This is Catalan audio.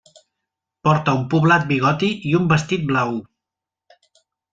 Porta un poblat bigoti i un vestit blau.